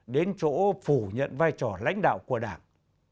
đến chỗ phủ nhận vai trò lãnh đạo của đảng